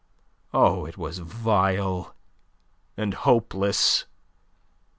Oh, it was vile and hopeless.